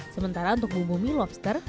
sementara untuk bumbu mie lobster